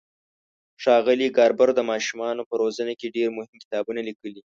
ښاغلي ګاربر د ماشومانو په روزنه کې ډېر مهم کتابونه لیکلي.